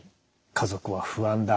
家族は不安だ。